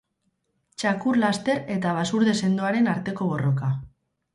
Txakur laster eta basurde sendoaren arteko borroka.